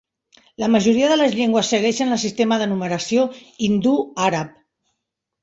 La majoria de les llengües segueixen el sistema de numeració hindú-àrab.